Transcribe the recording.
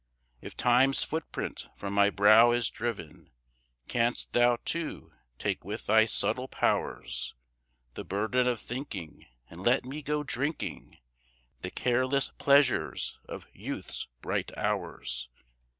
If Time's footprint from my brow is driven, Canst thou, too, take with thy subtle powers The burden of thinking, and let me go drinking The careless pleasures of youth's bright hours?